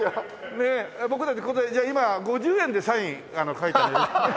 ねえ僕たちここでじゃあ今５０円でサイン書いてあげるよ。